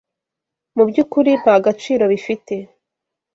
mu by’ukuri nta gaciro bifite